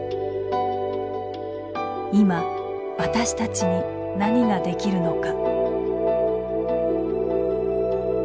今私たちに何ができるのか。